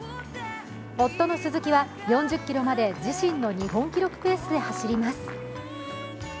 夫の鈴木は４０ｋｍまで自身の日本記録ペースで走ります。